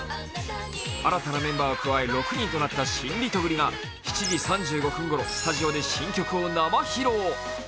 新たなメンバーを加え６人となった新リトグリが７時３５分ごろ、スタジオで新曲を生披露。